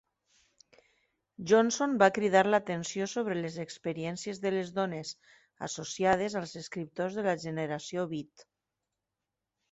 Johnson va cridar l'atenció sobre les experiències de les dones associades als escriptors de la generació Beat.